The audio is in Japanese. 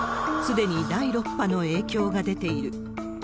すでに第６波の影響が出ている。